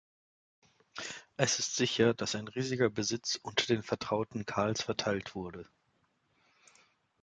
Es ist sicher, dass sein riesiger Besitz unter den Vertrauten Karls verteilt wurde.